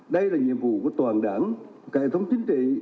đây là nhiệm vụ của toàn đảng cả hệ thống chính trị